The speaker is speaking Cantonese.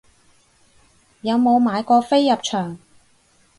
有冇買過飛入場